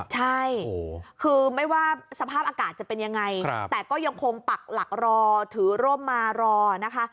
ใช่คือไม่ว่าสภาพอากาศจะเป็นยังไงแต่ก็ยังคงปักหลักรอถือร่มมารอนะคะ